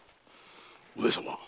上様。